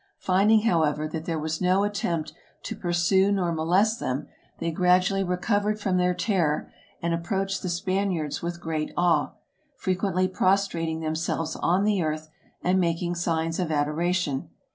Finding, however, that there was no attempt to pursue nor molest them, they gradually recovered from their terror, and approached the Spaniards with great awe; frequently prostrating themselves on the earth, and making signs of adoration.